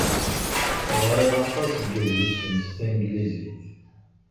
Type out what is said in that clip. Ɣriɣ aṭas n yedlisen s tanglizit.